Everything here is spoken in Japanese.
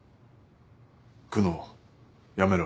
久能やめろ。